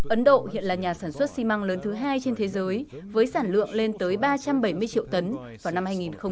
ấn độ hiện là nhà sản xuất xi măng lớn thứ hai trên thế giới với sản lượng lên tới ba trăm bảy mươi triệu tấn vào năm hai nghìn hai mươi